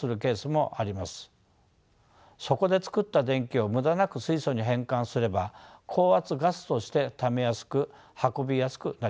そこで作った電気を無駄なく水素に変換すれば高圧ガスとしてためやすく運びやすくなります。